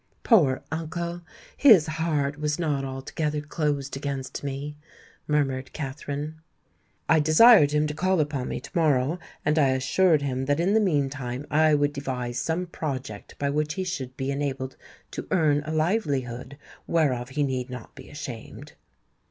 "Poor uncle! His heart was not altogether closed against me!" murmured Katherine. "I desired him to call upon me to morrow, and I assured him that in the meantime I would devise some project by which he should be enabled to earn a livelihood whereof he need not be ashamed."